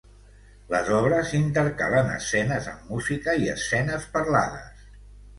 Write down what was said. Les obres intercalen escenes amb música i escenes parlades.